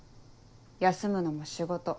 休むのも仕事。